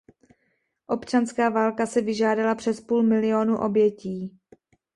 Občanská válka si vyžádala přes půl milionu obětí.